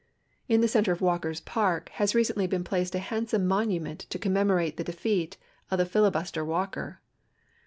In the center of ^^'alker's park has recently been placed a handsome monument to commemorate the defeat of the filibuster Walker.